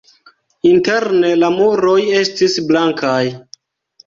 Interne la muroj estis blankaj.